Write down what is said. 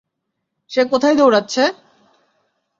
সে কোথায় দৌড়াচ্ছে?